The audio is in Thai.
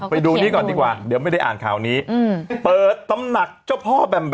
ไปดูนี้ก่อนดีกว่าเดี๋ยวไม่ได้อ่านข่าวนี้เปิดตำหนักเจ้าพ่อแบม